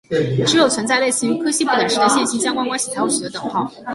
只有存在类似于柯西不等式的线性相关关系时才会取得等号。